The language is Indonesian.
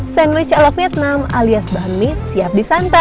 sandwich aloe vietnam alias bahan mie siap disantap